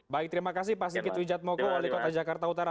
baik terima kasih pak sigit wijatmoko wali kota jakarta utara